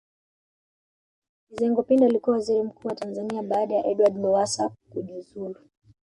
Mizengo Pinda alikuwa Waziri Mkuu wa Tanzania baada ya Edward Lowassa kujuzulu